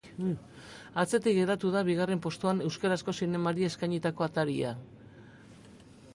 Atzetik geratu da, bigarren postuan, euskarazko zinemari eskainitako ataria.